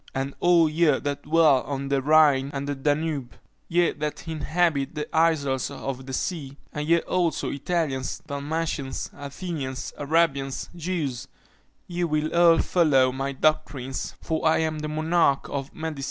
and all ye that dwell on the Rhine and the Danube, ye that inhabit the isles of the sea; and ye also, Italians, Dalmatians, Athenians, Arabians, Jews, ye will all follow my doctrines, for I am the monarch of medicine!"